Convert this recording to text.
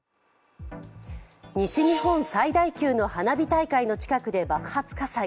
西日本最大級の花火大会の近くで爆発火災。